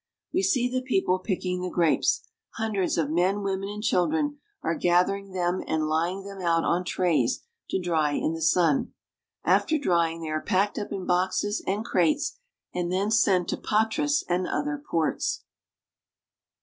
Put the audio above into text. We see the people picking the grapes. Hundreds of men, women, and children are gathering them and laying them out on trays to dry in the sun. After drying they are packed up in boxes and crates, and then sent to Patras and other ports.